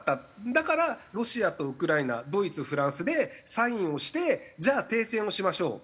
だからロシアとウクライナドイツフランスでサインをしてじゃあ停戦をしましょう。